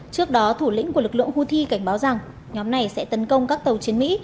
trước đó thủ lĩnh của lực lượng houthi cảnh báo rằng nhóm này sẽ tấn công các tàu chiến mỹ